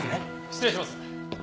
失礼します。